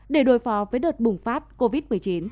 để đối phó với đợt bùng phát covid một mươi chín